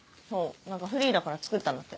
フリーだから作ったんだって。